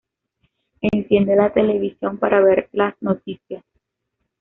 Enciende la televisión para ver las noticias.